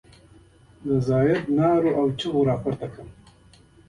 د زاهدي نارو او اوازونو راپورته کړلو.